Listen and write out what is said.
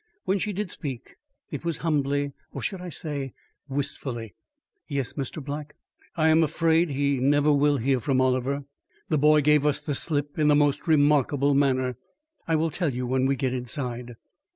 When she did speak, it was humbly, or should I say, wistfully. "Yes, Mr. Black." "I am afraid he never will hear from Oliver. The boy gave us the slip in the most remarkable manner. I will tell you when we get inside."